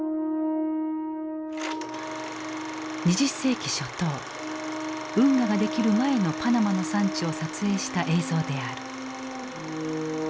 ２０世紀初頭運河ができる前のパナマの山地を撮影した映像である。